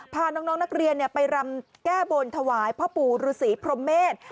พาน้องนักเรียนไปรำแก้บนถวายพ่อปู่ฤษีพรมเมษ